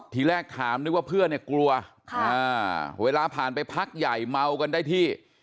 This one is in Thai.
ทีแรกถามนึกว่าเพื่อนเนี่ยกลัวเวลาผ่านไปพักใหญ่เมากันได้ที่